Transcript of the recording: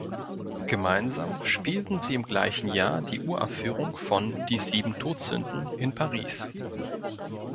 Gemeinsam spielten sie im gleichen Jahr die Uraufführung von Die sieben Todsünden in Paris.